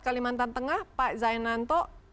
kalimantan tengah pak zainanto